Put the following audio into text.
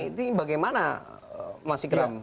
ini bagaimana mas iqram